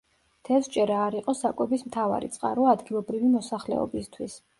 თევზჭერა არ იყო საკვების მთავარი წყარო ადგილობრივი მოსახლეობისთვის.